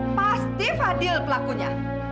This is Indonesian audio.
pasti fadil pelakunya